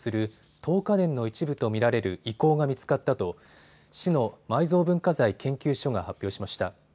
登華殿の一部と見られる遺構が見つかったと市の埋蔵文化財研究所が発表しました。